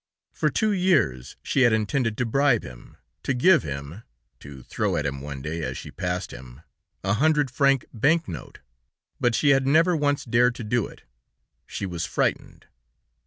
For two years she had intended to bribe him, to give him (to throw at him one day as she passed him) a hundred franc bank note, but she had never once dared to do it. She was frightened!